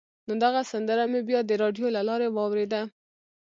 نو دغه سندره مې بیا د راډیو له لارې واورېده.